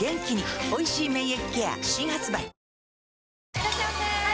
いらっしゃいませ！